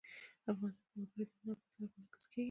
افغانستان کې وګړي د هنر په اثار کې منعکس کېږي.